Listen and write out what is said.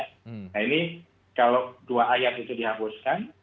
nah ini kalau dua ayat itu dihapuskan